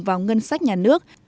vào ngân sách nhà nước